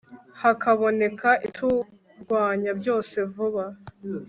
hakaboneka ibiturwanya byose vuba